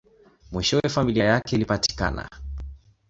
Mwishowe, familia yake ilipatikana.